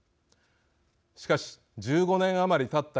しかし、１５年余りたった